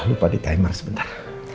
lupa di timer sebentar